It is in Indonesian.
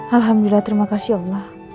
alhamdulillah terima kasih allah